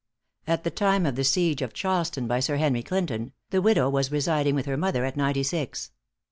At the time of the siege of Charleston by Sir Henry Clinton, the widow was residing with her mother at Ninety Six.